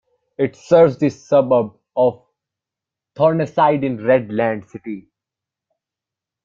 It serves the suburb of Thorneside in Redland City.